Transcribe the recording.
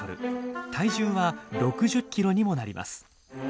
体重は６０キロにもなります。